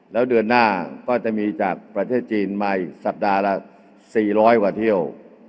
แล้วเดือนหน้าก็จะมีจากประเทศจีนมาอีกสัปดาห์ละ๔๐๐กว่าเที่ยว